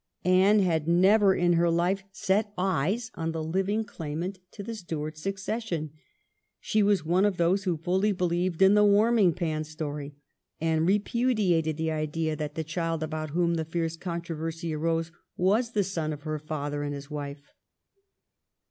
Anne had never in her life set eyes on the living claimant to the Stuart succession. She was one of those who fully believed in the warming pan story, and repudiated the idea that the child about whom the fierce controversy arose was the son of her father and his wife.